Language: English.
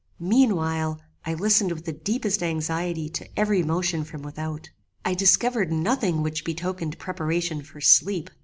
"Meanwhile I listened with the deepest anxiety to every motion from without. I discovered nothing which betokened preparation for sleep.